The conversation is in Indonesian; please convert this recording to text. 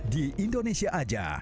di indonesia aja